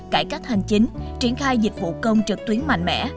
cải cách hành chính triển khai dịch vụ công trực tuyến mạnh mẽ